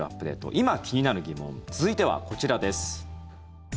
今、気になる疑問続いてはこちらです。